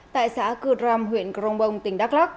tại xã cư tram huyện crong bong tỉnh đắk lắc